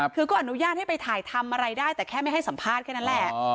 คือก็อนุญาตให้ไปถ่ายทำอะไรได้แต่แค่ไม่ให้สัมภาษณ์แค่นั้นแหละ